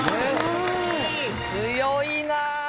強いなぁ。